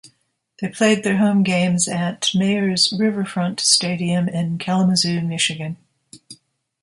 They played their home games at Mayor's Riverfront Stadium in Kalamazoo, Michigan.